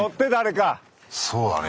そうだね。